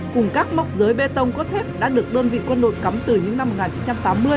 cùng các móc dưới bê tông cốt thép đã được đơn vị quân đội cắm từ những năm một nghìn chín trăm tám mươi